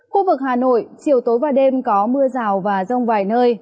khu vực hà nội chiều tối và đêm có mưa rào và rông vài nơi